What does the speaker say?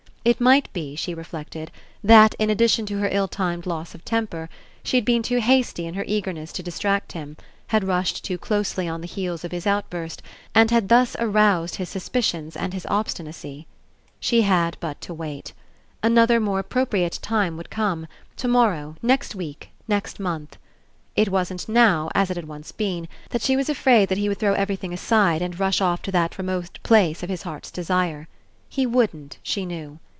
It might be, she reflected, that, in addition to her ill timed loss of temper, she had been too hasty in her eagerness to dis tract him, had rushed too closely on the heels of his outburst, and had thus aroused his sus picions and his obstinacy. She had but to wait. 107 PASSING Another more appropriate time would come, tomorrow, next week, next month. It wasn't now, as It had been once, that she was afraid that he would throw everything aside and rush off to that remote place of his heart's desire. He wouldn't, she knew.